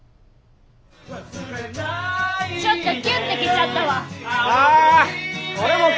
ちょっとキュンって来ちゃったわ。